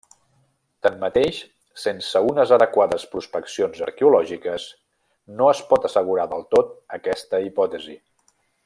Tanmateix, sense unes adequades prospeccions arqueològiques no es pot assegurar del tot aquesta hipòtesi.